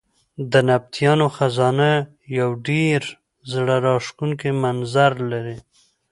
د نبطیانو خزانه یو ډېر زړه راښکونکی منظر لري.